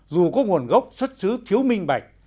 dù có nguồn gốc xuất xứ thiếu minh